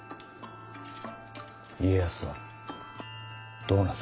家康はどうなさいます？